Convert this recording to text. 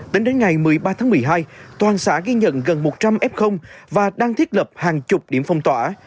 tính đến ngày một mươi ba tháng một mươi hai toàn xã ghi nhận gần một trăm linh f và đang thiết lập hàng chục điểm phong tỏa